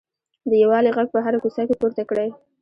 د یووالي غږ په هره کوڅه کې پورته کړئ.